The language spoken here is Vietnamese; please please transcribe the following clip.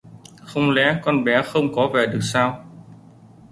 Không lẽ con bé không có về được sao